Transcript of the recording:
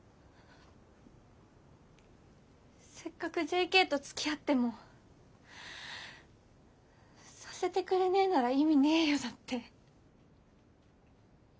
「せっかくＪＫとつきあってもさせてくれねえなら意味ねえよ」だって。